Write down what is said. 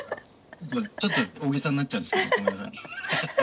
ちょっと大げさになっちゃうんですけどごめんなさい。